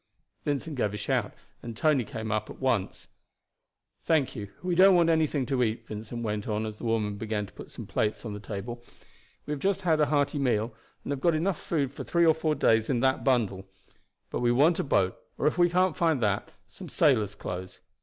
Vincent gave a shout, and Tony at once came up. "Thank you, we don't want anything to eat," Vincent went on as the woman began to put some plates on the table. "We have just had a hearty meal, and have got enough food for three or four days in that bundle. But we want a boat, or, if we can't find that, some sailors' clothes.